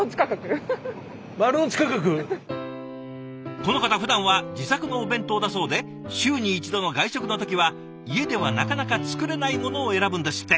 この方ふだんは自作のお弁当だそうで週に１度の外食の時は家ではなかなか作れないものを選ぶんですって。